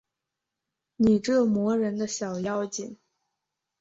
你这磨人的小妖精